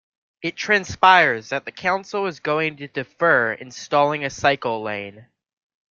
It transpires that the council is going to defer installing a cycle lane.